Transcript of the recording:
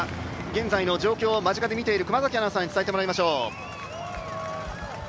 現在の状況を間近で見ている熊崎アナウンサーに伝えてもらいましょう。